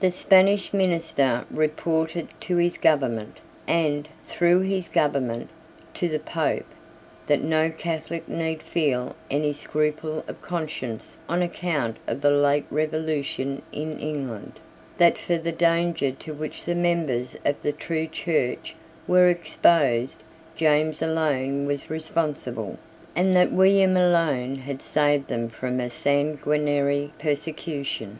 The Spanish minister reported to his government, and, through his government, to the Pope, that no Catholic need feel any scruple of conscience on account of the late revolution in England, that for the danger to which the members of the true Church were exposed James alone was responsible, and that William alone had saved them from a sanguinary persecution.